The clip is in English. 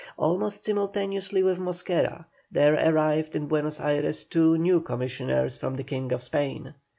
Almost simultaneously with Mosquera, there arrived in Buenos Ayres two new commissioners from the King of Spain.